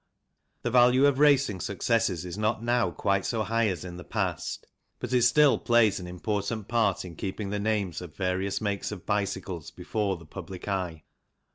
The value of racing successes is not now quite so high as in the past, but it still plays an important part in keeping the names of various makes of bicycles before the public eye.